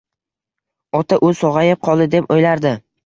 Ota U sog`ayib qoldi… deb o`ylardi